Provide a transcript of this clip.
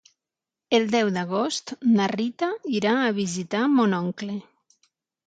El deu d'agost na Rita irà a visitar mon oncle.